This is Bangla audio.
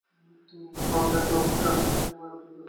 তিনি তার বন্ধু এডমান্ড হেক্টরের সাথে কিছু সময় অতিবাহিত করেন।